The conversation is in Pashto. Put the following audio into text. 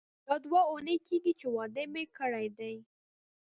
دا دوه اونۍ کیږي چې واده مې کړی دی.